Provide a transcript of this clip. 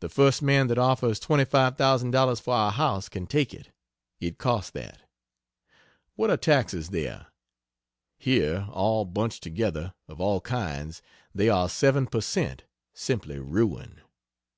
The first man that offers $25,000 for our house can take it it cost that. What are taxes there? Here, all bunched together of all kinds, they are 7 per cent simply ruin.